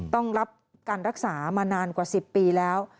ต้องรับการรักษามานานกว่า๑๐ปีแล้ว